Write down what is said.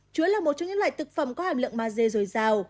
chuối là một trong những loại thực phẩm có hàm lượng maze dồi dào